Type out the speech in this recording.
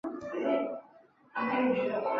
米野会战为关原之战的前哨战。